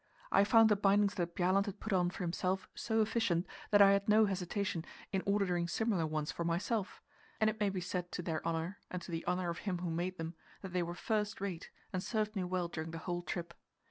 I found the bindings that Bjaaland had put on for himself so efficient that I had no hesitation in ordering similar ones for myself; and it may be said to their honour, and to the honour of him who made them, that they were first rate, and served me well during the whole trip.